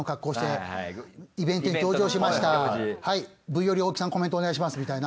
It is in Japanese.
はいＶおり大木さんコメントお願いしますみたいな。